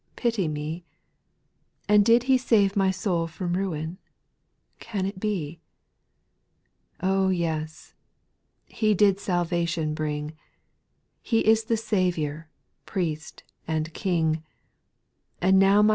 Pity me ? And did He save my soul from ruin ? Can it be ? Oh, yes 1 He did salvation bring, He is the Saviour, Priest, and King, And now my t.